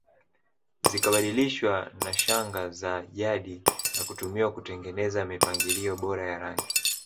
Zikabadilishwa na shanga za jadi na kutumiwa kutengeneza mipangilio bora ya rangi